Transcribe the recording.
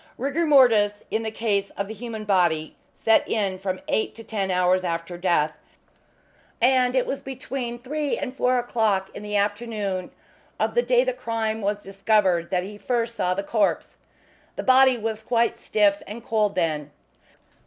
Rigor mortis, in the case of the human body, set in from eight to ten hours after death, and it was between three and four o'clock in the afternoon of the day the crime was discovered that he first saw the corpse. The body was quite stiff and cold then.